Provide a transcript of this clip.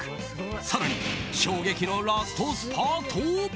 更に衝撃のラストスパート！